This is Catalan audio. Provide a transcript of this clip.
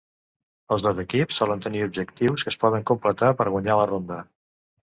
Els dos equips solen tenir objectius que es poden completar per guanyar la ronda.